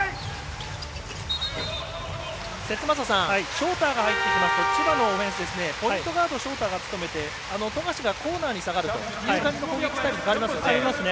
ショーターが入ってきますと千葉のオフェンスポイントガードショーターが務めて富樫がコーナーに下がるということがありますよね。